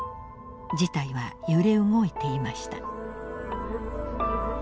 事態は揺れ動いていました。